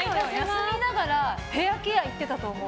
休みながらヘアケア行っていたと思う。